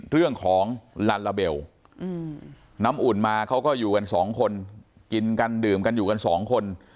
เรื่องของลัลลาเบลน้ำอุ่นมาเขาก็อยู่กันสองคนกินกันดื่มกันอยู่กันสองคน